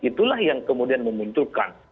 itulah yang kemudian memunculkan